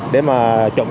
để mà trụng